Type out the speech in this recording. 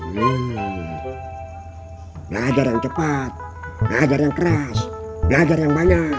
belajar yang cepat belajar yang keras belajar yang banyak